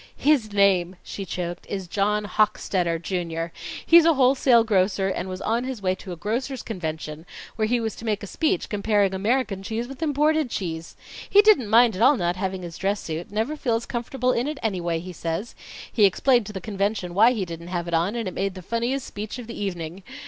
"His name," she choked, "is John Hochstetter, Jr. He's a wholesale grocer, and was on his way to a grocers' convention, where he was to make a speech comparing American cheese with imported cheese. He didn't mind at all not having his dress suit never feels comfortable in it anyway, he says. He explained to the convention why he didn't have it on, and it made the funniest speech of the evening.